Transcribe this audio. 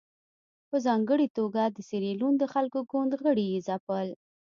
په ځانګړې توګه د سیریلیون د خلکو ګوند غړي یې ځپل.